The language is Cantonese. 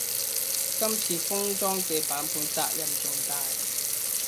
今次封裝嘅版本責任重大